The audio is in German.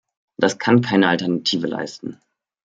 Das kann keine Alternative leisten.